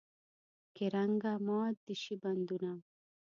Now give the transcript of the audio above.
کرنګه مات دې شي بندونه.